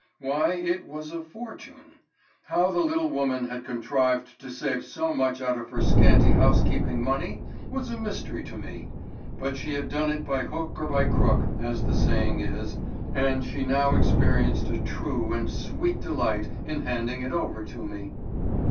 Why it was a fortune! How the little woman had contrived to save so much out of her scanty housekeeping money was a mystery to me, but she had done it by hook or by crook, as the saying is, and she now experienced a true and sweet delight in handing it over to me.